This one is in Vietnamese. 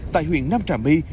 tại huyện nam trà my